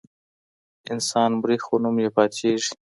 انسان مري خو نوم يې پاتيږي.